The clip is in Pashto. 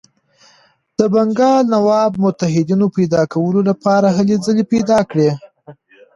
د بنګال نواب متحدینو پیدا کولو لپاره هلې ځلې پیل کړې.